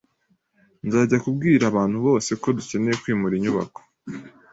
Nzajya kubwira abantu bose ko dukeneye kwimura inyubako